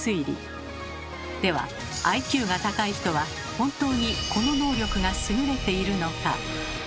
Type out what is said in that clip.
ではＩＱが高い人は本当にこの能力が優れているのか？